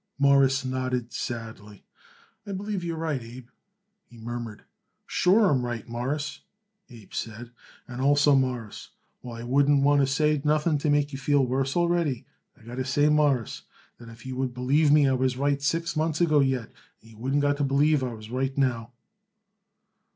Morris nodded sadly. "I believe you're right, Abe," he murmured. "Sure, I'm right, Mawruss," Abe said; "and also, Mawruss, while I wouldn't want to say nothing to make you feel worse already, I got to say, Mawruss, that if you would believe I was right six months ago yet, you wouldn't got to believe I was right now."